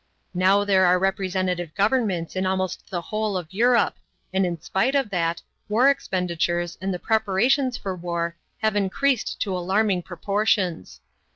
Now there are representative governments in almost the whole of Europe, and in spite of that, war expenditures and the preparations for war have increased to alarming proportions.